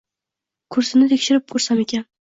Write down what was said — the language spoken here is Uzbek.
Kursini tekshirib ko`rsamikin